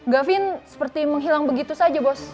gavin seperti menghilang begitu saja bos